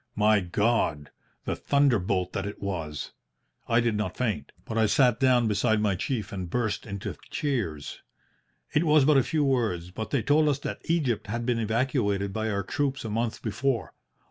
My God! the thunderbolt that it was! I did not faint, but I sat down beside my chief and I burst into tears. It was but a few words, but they told us that Egypt had been evacuated by our troops a month before.